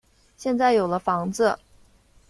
现在有了房子